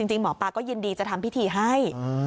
จริงหมอปลาก็ยินดีจะทำพิธีให้